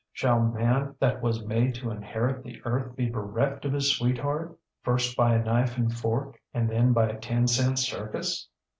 Shall man that was made to inherit the earth be bereft of his sweetheart first by a knife and fork and then by a ten cent circus?